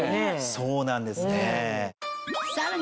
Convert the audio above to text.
そうなんですね。